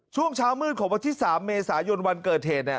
ช่วงเช้ามืดของวันที่๓เมษายนวันเกิดเหตุ